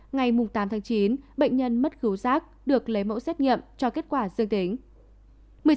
ngày tám tháng chín bệnh nhân mất cứu giác được lấy mẫu xét nghiệm cho kết quả dương tính